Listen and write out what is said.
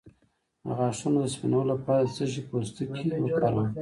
د غاښونو د سپینولو لپاره د څه شي پوستکی وکاروم؟